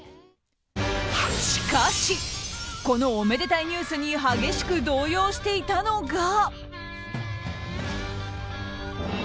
しかしこのおめでたいニュースに激しく動揺していたのが。